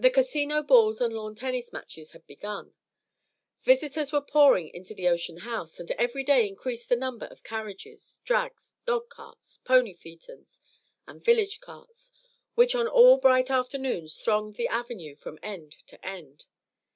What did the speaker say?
The Casino balls and lawn tennis matches had begun. Visitors were pouring into the Ocean House; and every day increased the number of carriages, drags, dog carts, pony phaetons, and village carts, which on all bright afternoons thronged the Avenue from end to end.